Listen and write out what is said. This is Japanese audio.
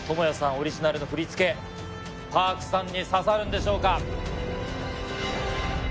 オリジナルの振り付けＰａｒｋさんに刺さるんでしょうか？